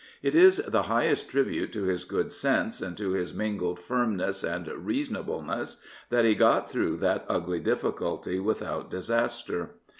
It is the highest tribute to his good sense and to his mingled firmness and reasonableness that he got through that ugly diffi culty without disaster.